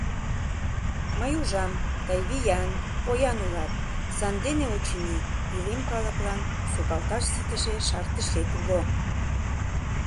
Мый ужам: тый виян, поян улат, сандене, очыни, илем калыклан сукалташ ситыше шартышет уло?